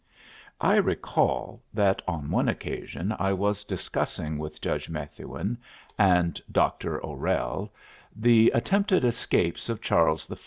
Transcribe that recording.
I recall that on one occasion I was discussing with Judge Methuen and Dr. O'Rell the attempted escapes of Charles I.